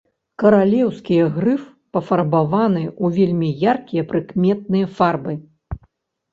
Каралеўскія грыф пафарбаваны ў вельмі яркія, прыкметныя фарбы.